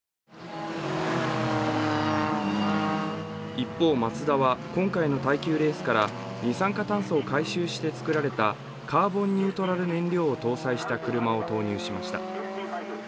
一方、マツダは今回の耐久レースから二酸化炭素を回収して作られたカーボンニュートラル燃料を搭載した車を投入しました。